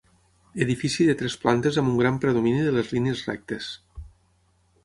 Edifici de tres plantes amb un gran predomini de les línies rectes.